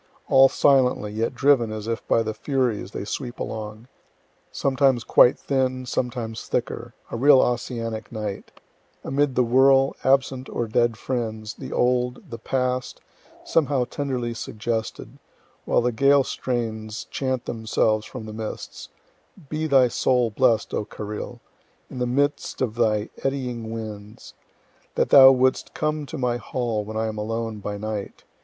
All silently, yet driven as if by the furies they sweep along, sometimes quite thin, sometimes thicker a real Ossianic night amid the whirl, absent or dead friends, the old, the past, somehow tenderly suggested while the Gael strains chant themselves from the mists "Be thy soul blest, O Carril! in the midst of thy eddying winds. O that thou wouldst come to my hall when I am alone by night!